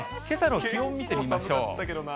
けさの気温見てみましょう。